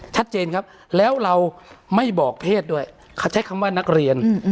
ชัดเจนครับแล้วเราไม่บอกเพศด้วยเขาใช้คำว่านักเรียน